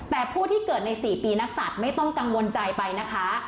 แต่ผู้ที่เกิดใน๔ปีนักศัตริย์ไม่ต้องกังวลใจไปนะคะ